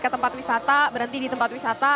ke tempat wisata berhenti di tempat wisata